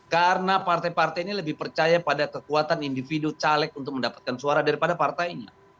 karena partai partai ini lebih percaya pada kekuatan individu caleg untuk mendapatkan suara daripada partainya